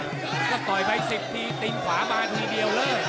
ก็ต่อยไปสิบทีติ้งขวาบานทีเดียวเลย